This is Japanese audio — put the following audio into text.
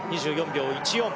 ２４秒１４。